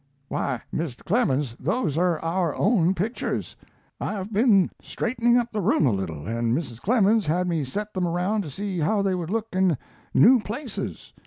"Why, Mr. Clemens, those are our own pictures. I've been straightening up the room a little, and Mrs. Clemens had me set them around to see how they would look in new places.